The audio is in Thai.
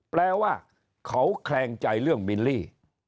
แปลว่าเขาแคลงใจเรื่องบิลลี่